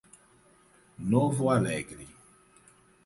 Novo Alegre